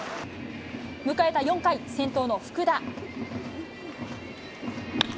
迎えた４回、先頭の福田。